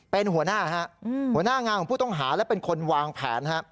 เป็นหัวหน้าหัวหน้างานของผู้ต้องหาและเป็นคนวางแผน